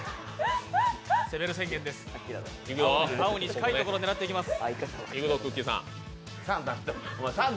青に近いところを狙っていきます。